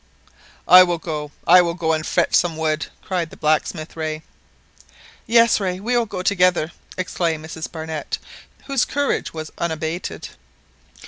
"I will go—I will go and fetch some wood !" cried the blacksmith Rae. "Yes, Rae, we will go together!" exclaimed Mrs Barnett, whose courage was unabated.